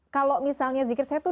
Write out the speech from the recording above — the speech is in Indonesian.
kalau misalnya zikir saya tuh